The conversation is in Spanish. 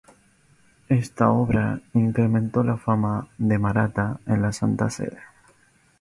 Esta obra incrementó la fama de Maratta en la Santa Sede.